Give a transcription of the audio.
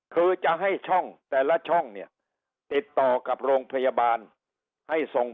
คือจะให้ช่องแต่ละช่องเนี่ยติดต่อกับโรงพยาบาลให้ส่ง